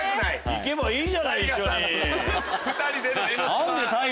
行けばいいじゃん一緒に。